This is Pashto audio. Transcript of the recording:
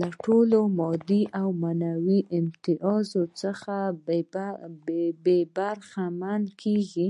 له ټولو مادي او معنوي امتیازاتو څخه برخمنې کيږي.